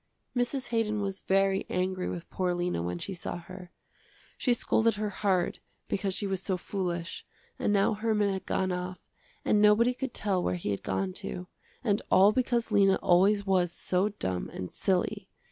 Mrs. Haydon was very angry with poor Lena when she saw her. She scolded her hard because she was so foolish, and now Herman had gone off and nobody could tell where he had gone to, and all because Lena always was so dumb and silly.